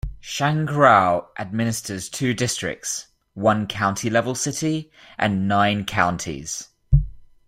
Shangrao administers two districts, one county-level city, and nine counties.